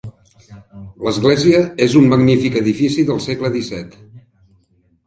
L'església és un magnífic edifici del segle disset.